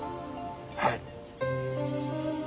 はい。